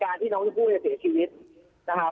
การที่น้องจมฟู่ว่าจะเสียชีวิตนะครับ